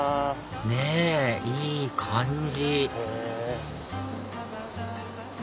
ねぇいい感じ！